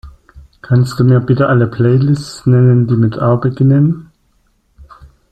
Kannst Du mir bitte alle Playlists nennen, die mit A beginnen?